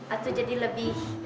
atau jadi lebih